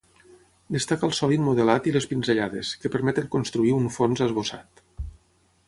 Destaca el sòlid modelat i les pinzellades, que permeten construir un fons esbossat.